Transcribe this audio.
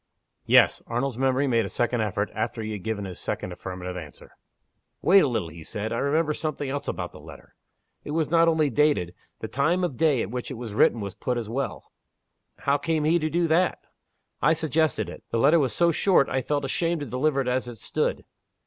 "Yes." Arnold's memory made a second effort, after he had given his second affirmative answer. "Wait a little," he said. "I remember something else about the letter. It was not only dated. The time of day at which it was written was put as well." "How came he to do that?" "I suggested it. The letter was so short I felt ashamed to deliver it as it stood.